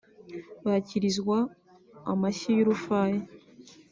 bakirizwa amashyi y’urufaya